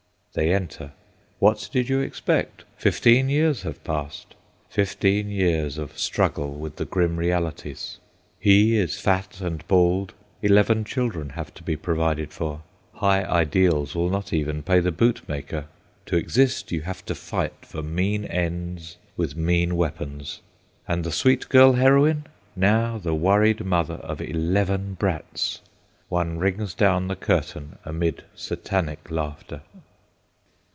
They enter. What did you expect? Fifteen years have passed—fifteen years of struggle with the grim realities. He is fat and bald. Eleven children have to be provided for. High ideals will not even pay the bootmaker. To exist you have to fight for mean ends with mean weapons. And the sweet girl heroine! Now the worried mother of eleven brats! One rings down the curtain amid Satanic laughter.